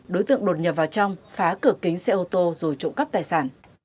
đối tượng đột nhập vào trong phá cửa kính xe ô tô rồi trộm cắp tài sản